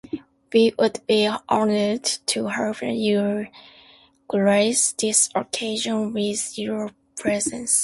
We would be honored to have you grace this occasion with your presence.